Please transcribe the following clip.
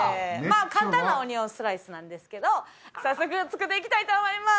簡単なオニオンスライスなんですけど早速作っていきたいと思います！